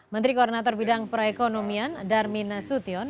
menteri koordinator bidang perekonomian darmin nasution